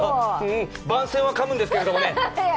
番宣はかむんですけどもね。